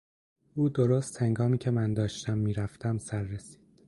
او درست هنگامی که من داشتم میرفتم سررسید.